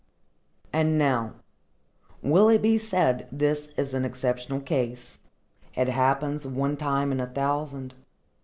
And, now, will it be said this is an exceptional case—it happens one time in a thousand?